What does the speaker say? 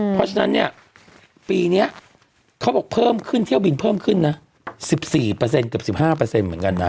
เพราะฉะนั้นเนี่ยปีนี้เขาบอกเพิ่มขึ้นเที่ยวบินเพิ่มขึ้นนะ๑๔เกือบ๑๕เหมือนกันนะ